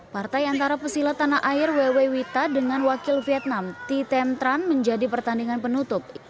partai antara pesilat tanah air wwwita dengan wakil vietnam t tem tran menjadi pertandingan penutup